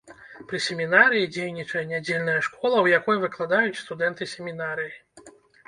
Пры семінарыі дзейнічае нядзельная школа, у якой выкладаюць студэнты семінарыі.